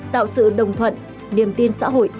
tạo sự đồng thuận niềm tin xã hội